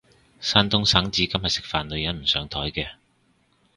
山東省至今係食飯女人唔上枱嘅